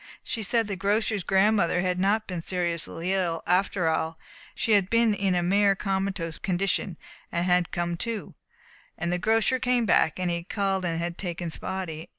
She said the grocer's grandmother had not been seriously ill, after all; she had been in a mere comatose condition, and had come to, and the grocer had come back, and he had called and taken Spotty.